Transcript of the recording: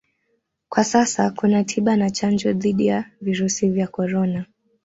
Kwa sasa kuna tiba na chanjo dhidi ya virusi vya Corona